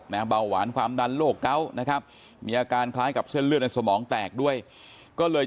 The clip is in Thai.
เบาหวานความดันโรคเกาะนะครับมีอาการคล้ายกับเส้นเลือดในสมองแตกด้วยก็เลย